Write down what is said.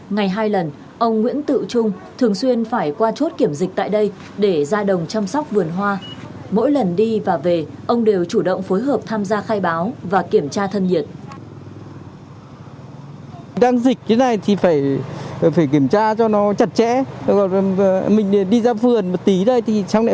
ngày hai lần ông nguyễn tự trung thường xuyên phải qua chốt kiểm dịch tại đây để ra đồng chăm sóc vườn hoa mỗi lần đi và về ông đều chủ động phối hợp tham gia khai báo và kiểm tra thân nhiệt